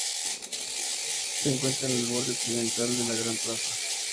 Se encuentra en el borde occidental de la Gran Plaza.